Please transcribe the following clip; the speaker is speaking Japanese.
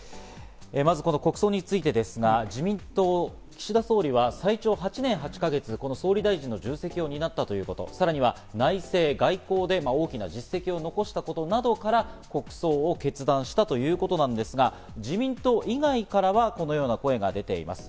まず国葬についてですが、自民党・岸田総理は、最長８年８か月、首相の重責を担ったこと、さらには内政外交で大きな実績を残したことなどから、国葬を決断したということなんですが、自民党以外からはこのような声が出ています。